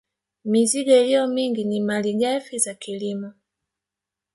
Mizigo iliyo mingi ni malighafi za kilimo